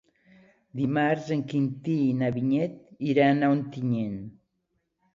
Dimarts en Quintí i na Vinyet iran a Ontinyent.